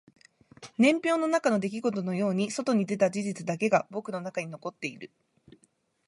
年表の中の出来事のように外に出た事実だけが僕の中に残っている